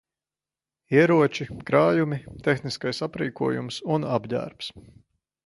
Ieroči, krājumi, tehniskais aprīkojums un apģērbs.